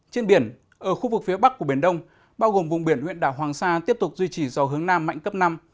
trên biển ở khu vực phía bắc của biển đông bao gồm vùng biển huyện đảo hoàng sa tiếp tục duy trì gió hướng nam mạnh cấp năm